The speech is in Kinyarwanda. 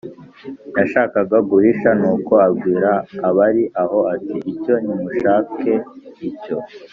yashakaga guhisha. Nuko abwira abari aho ati: “Cyo nimushake icyo